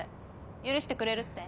許してくれるって？